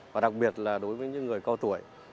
và đặc biệt là đối với những người cao tuổi